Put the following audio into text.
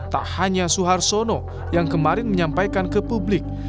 tak hanya suhartono yang kemarin menyampaikan ke publik